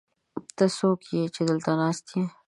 ته څوک يې، چې دلته ناست يې؟